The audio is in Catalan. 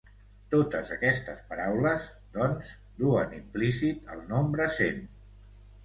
Totes aquestes paraules, doncs, duen implícit el nombre cent.